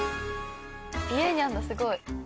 家にあるのすごい！